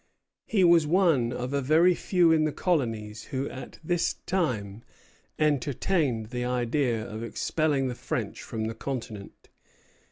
He was one of a very few in the colonies who at this time entertained the idea of expelling the French from the continent.